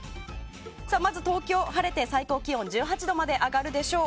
まず東京は晴れて最高気温は１８度まで上がるでしょう。